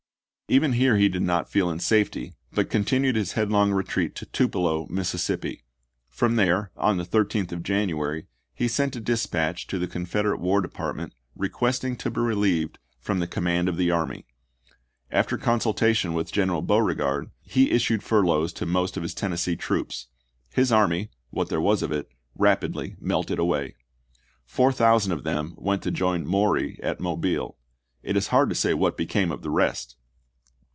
Even here he did not feel in safety, but con tinued his headlong retreat to Tupelo, Missis sippi. From there, on the 13th of January, he sent a dispatch to the Confederate War Depart ment requesting to be relieved from the command of the army. After consultation with General Beauregard, he issued furloughs to most of his Tennessee troops ; his army, what there was of it, rapidly melted away. Four thousand of them went to join Maury at Mobile. It is hard to say what became of the rest.